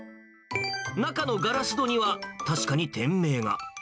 中のガラス戸には、確かに店名が。